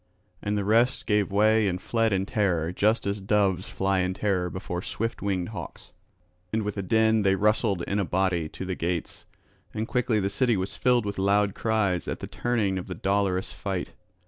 And the rest gave way and fled in terror just as doves fly in terror before swift winged hawks. And with a din they rustled in a body to the gates; and quickly the city was filled with loud cries at the turning of the dolorous fight.